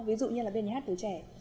ví dụ như là bên nhà hát tuổi trẻ